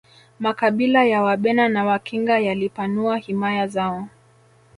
makabila ya wabena na wakinga yalipanua himaya zao